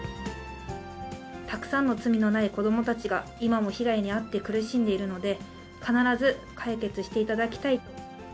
たくさんの罪のない子どもたちが、今も被害に遭って苦しんでいるので、必ず解決していただきたいと。